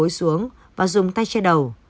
hãy cúi xuống và dùng tay che đầu